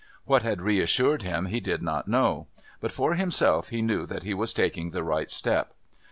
What had reassured him he did not know, but for himself he knew that he was taking the right step.